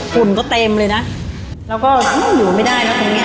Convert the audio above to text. ฝุ่นก็เต็มเลยนะแล้วก็อยู่ไม่ได้นะตรงเนี้ย